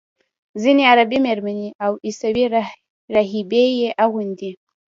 ځینې عربي میرمنې او عیسوي راهبې یې اغوندي.